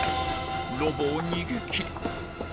ロボを逃げ切り